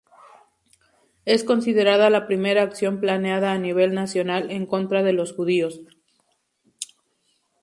Es considerada la primera acción planeada a nivel nacional en contra de los judíos.